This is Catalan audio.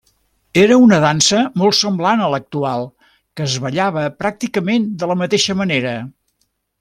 Era una dansa molt semblant a l'actual, que es ballava pràcticament de la mateixa manera.